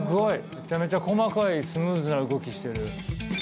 めちゃめちゃ細かいスムーズな動きしてる。